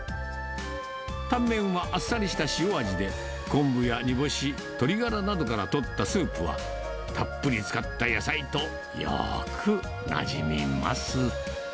タンメンはあっさりした塩味で、昆布や煮干し、鶏がらなどから取ったスープは、たっぷり使った野菜とよーくなじみます。